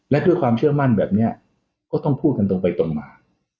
และด้วยความเชื่อมั่นแบบนี้ก็ต้องพูดกันตรงไปตรงมา